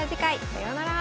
さようなら。